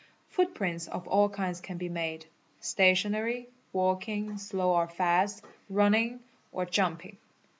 Footprints of a kinds can be made: stationary, walking (slow or fast), running, or ju np ing.